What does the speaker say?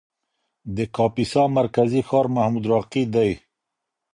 د کاپیسا مرکزي ښار محمودراقي دی.